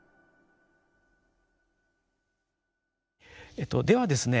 えっとではですね